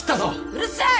うるさい！